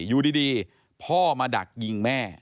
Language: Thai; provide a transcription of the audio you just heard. อยู่ดีพ่อมาดักยิงแม่